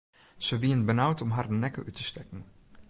Se wienen benaud om harren nekke út te stekken.